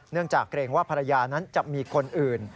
จากเกรงว่าภรรยานั้นจะมีคนอื่น